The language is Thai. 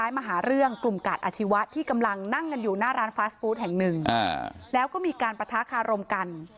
อาชีวะที่กำลังนั่งกันอยู่หน้าร้านแห่งหนึ่งอ่าแล้วก็มีการประทาคารมกัน